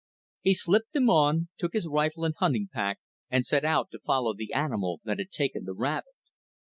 He slipped them on, took his rifle and hunting pack, and set out to follow the animal that had taken the rabbit.